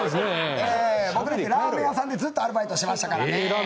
僕なんてラーメン屋さんでずっとアルバイトしてましたから。